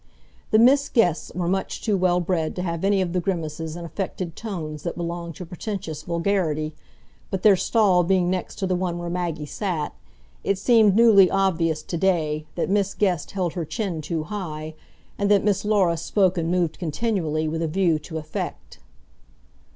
The Miss Guests were much too well bred to have any of the grimaces and affected tones that belong to pretentious vulgarity; but their stall being next to the one where Maggie sat, it seemed newly obvious to day that Miss Guest held her chin too high, and that Miss Laura spoke and moved continually with a view to effect.